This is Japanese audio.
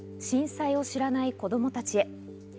震災を知らない子どもたちへ」。